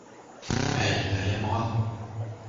Elle, elle aimera.